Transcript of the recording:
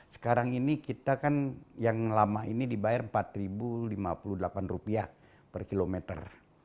sekarang ini kita kan yang lama ini dibayar rp empat lima puluh delapan per kilometer